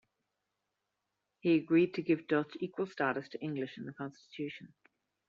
He agreed to give Dutch equal status to English in the constitution.